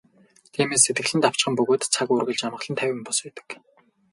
Тиймээс сэтгэл нь давчхан бөгөөд цаг үргэлж амгалан тайван бус байдаг.